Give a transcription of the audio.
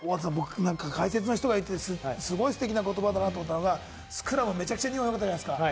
解説の人が言ってた、すごいステキな言葉だと思ったのが、スクラム、めちゃめちゃ日本よかったじゃないですか。